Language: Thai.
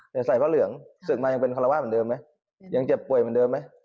ใส่เวียงพระเหรียญสึกมาเนี่ยเป็นฮาราวะเหมือนเดิมมั้ยยังเจ็บป่วยเหมือนเดิมมั้ย